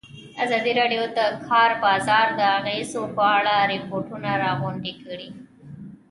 ازادي راډیو د د کار بازار د اغېزو په اړه ریپوټونه راغونډ کړي.